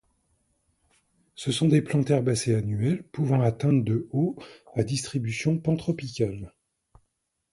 Ce sont des plantes herbacées annuelles pouvant atteindre de haut, à distribution pantropicale.